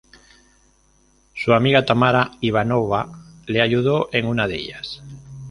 Su amiga Tamara Ivanova le ayudó en una de ellas.